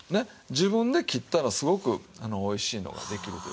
自分で切ったらすごくおいしいのができるという事です。